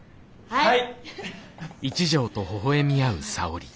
はい。